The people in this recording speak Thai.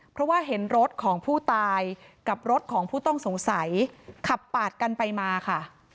เพราะว่าเห็นรถของผู้ตายกับรถของผู้ต้องสงสัยขับปาดกันไปมาค่ะ